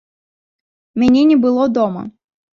Мяне не было дома.